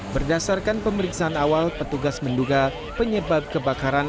berdasarkan pemeriksaan awal petugas menduga penyebab kebakaran